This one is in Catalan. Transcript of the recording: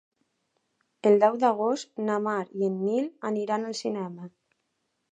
El deu d'agost na Mar i en Nil aniran al cinema.